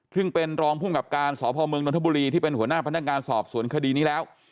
ซึ่งเป็นรองภูมิกับการสพเมืองนทบุรีที่เป็นหัวหน้าพนักงานสอบสวนคดีนี้แล้ว